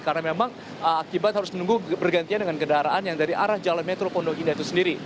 karena memang akibat harus menunggu pergantian dengan kendaraan yang dari arah jalan metro pondok indah itu sendiri